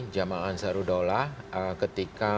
jama'at sarudola ketika